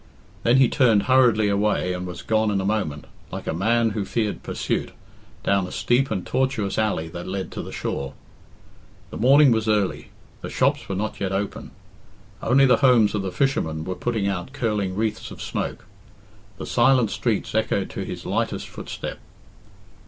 Then he turned hurriedly away, and was gone in a moment, like a man who feared pursuit, down a steep and tortuous alley that led to the shore. The morning was early; the shops were not yet open; only the homes of the fishermen were putting out curling wreaths of smoke; the silent streets echoed to his lightest footstep.